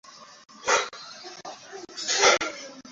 Tiba ya tabia ni desturi iliyo na mengi.